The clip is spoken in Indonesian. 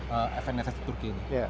dengan fnss di turki